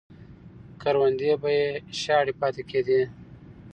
کروندې به یې شاړې پاتې کېدې.